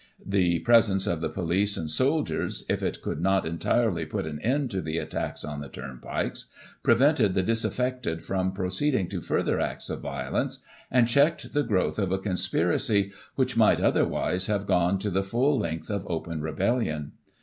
The presence of the police and soldiers, if it could not entirely put an end to the attacks on the turnpikes, prevented the disaffected from proceeding to further acts of violence, and checked the growth of a conspiracy which might, otherwise, have gone to the full length of open re bellion.